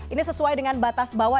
ini sesuai dengan batas bawah